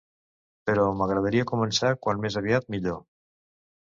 Però m'agradaria començar quant més aviat, millor.